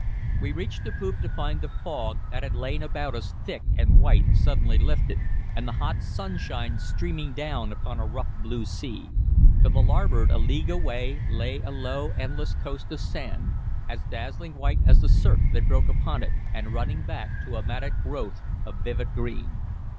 We reached the poop to find the fog that had lain about us thick and white suddenly lifted, and the hot sunshine streaming down upon a rough blue sea. To the larboard, a league away, lay a low, endless coast of sand, as dazzling white as the surf that broke upon it, and running back to a matted growth of vivid green.